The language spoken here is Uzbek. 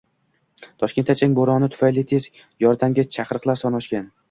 Toshkentda chang bo‘roni tufayli tez yordamga chaqiriqlar soni oshgan